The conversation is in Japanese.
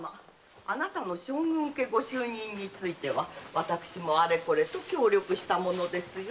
あなたの将軍家ご就任については私もあれこれと協力したものですよ。